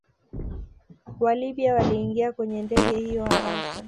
WaLibya waliingia kwenye ndege hiyo haraka